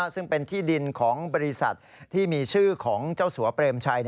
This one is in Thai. ซึ่งเป็นที่ดินของบริษัทที่มีชื่อของเจ้าสัวเปรมชัย